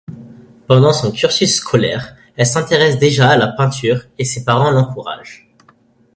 Pendant son cursus scolaire, elle s'intéresse déjà à la peinture et ses parents l'encouragent.